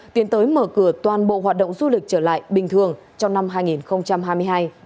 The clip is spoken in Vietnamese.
tiến tới mở cửa toàn bộ hoạt động du lịch trở lại bình thường trong năm hai nghìn hai mươi hai